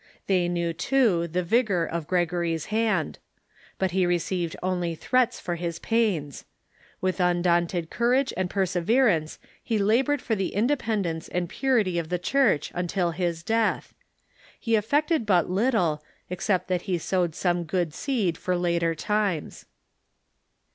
They knew, too, the vigor of Gregory's hand. But he received only threats for his pains. With undaunted courage and persevei*ance he labored for the independence and j^urity of the Church until his death. He effected but little, except that he sow^ed some good seed for later times.